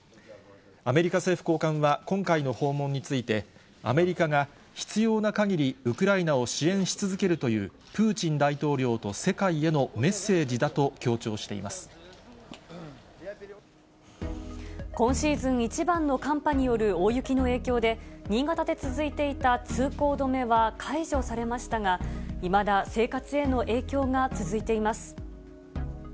アメリカ政府高官は、今回の訪問について、アメリカが、必要なかぎり、ウクライナを支援し続けるというプーチン大統領と世界へのメッセ今シーズン一番の寒波による大雪の影響で、新潟で続いていた通行止めは解除されましたが、いまだ生活への影響が続いています。